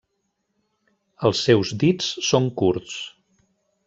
Els seus dits són curts.